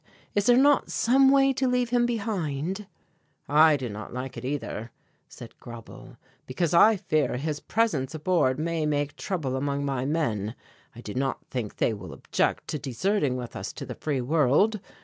"Is there not some way to leave him behind?" "I do not like it either," said Grauble, "because I fear his presence aboard may make trouble among my men. I do not think they will object to deserting with us to the free world.